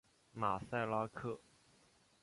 马赛拉克。